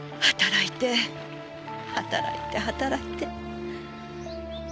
働いて働いて働いて。